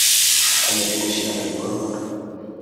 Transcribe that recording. komeza gushyira mu bikorwa